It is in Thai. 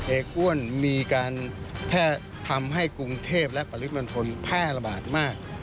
อ้วนมีการแพร่ทำให้กรุงเทพและปริมณฑลแพร่ระบาดมาก